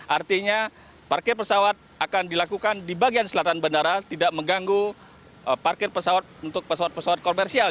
artinya parkir pesawat akan dilakukan di bagian selatan bandara tidak mengganggu parkir pesawat untuk pesawat pesawat komersial